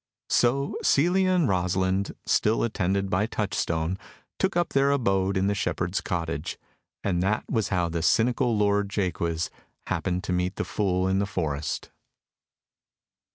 So Celia and Rosalind, still attended by Touchstone, took up their abode in the shepherd's cottage; and that was how the cynical lord Jaques happened to meet the fool in the forest.